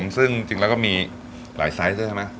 ซึ่งจริงแล้วก็มีหลายไซส์ด้วยใช่ไหม